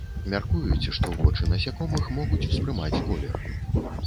Мяркуюць, што вочы насякомых могуць успрымаць колер.